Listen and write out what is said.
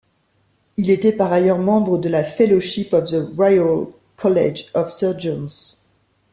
Il était par ailleurs membre de la Fellowship of the Royal College of Surgeons.